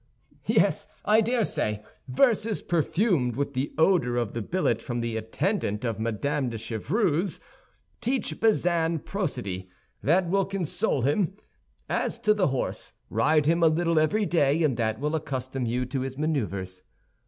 "Yes, I dare say; verses perfumed with the odor of the billet from the attendant of Madame de Chevreuse. Teach Bazin prosody; that will console him. As to the horse, ride him a little every day, and that will accustom you to his maneuvers."